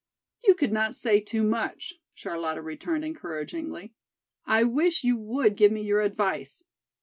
"You could not say too much," Charlotta returned encouragingly. "I wish you would give me your advice.